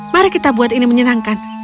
mari kita buat ini menyenangkan